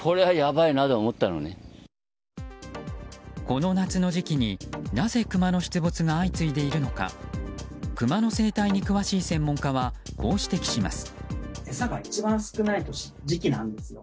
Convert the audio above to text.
この夏の時期に、なぜクマの出没が相次いでいるのかクマの生態に詳しい専門家はこう指摘します。